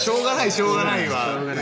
しょうがないね。